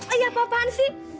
eh apa apaan sih